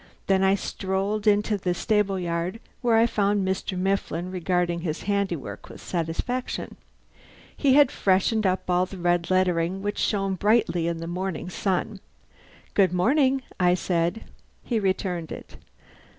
Then I strolled into the stable yard, where I found Mr. Mifflin regarding his handiwork with satisfaction. He had freshened up all the red lettering, which shone brilliantly in the morning sunlight. "Good morning," I said. He returned it.